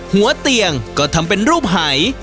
หัวเตียงก็ทำเป็นรูปหาย